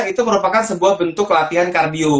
itu merupakan sebuah bentuk latihan kardio